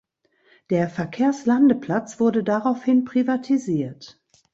Der Verkehrslandeplatz wurde daraufhin privatisiert.